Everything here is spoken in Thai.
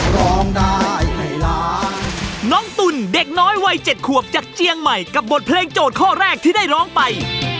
น้องตุลเด็กน้อยวัยเจ็ดขวบจากเจียงใหม่กับบทเพลงโจทย์ข้อแรกที่ได้ร้องไป